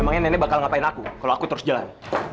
emangnya nenek bakal ngapain aku kalau aku terus jalan